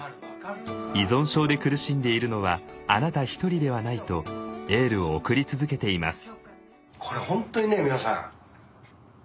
依存症で苦しんでいるのはあなた一人ではないとエールを送り続けています。